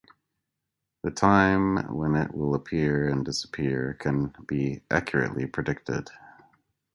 The time when it will appear and disappear can be accurately predicted.